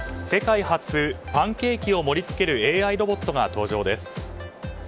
世界初パンケーキを盛り付けるＡＩロボットが登場です。